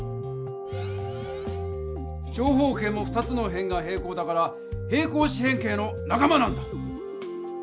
長方形も２つの辺が平行だから平行四辺形のなか間なんだ！